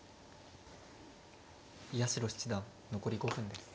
八代七段残り５分です。